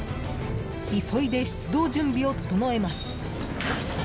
急いで出動準備を整えます。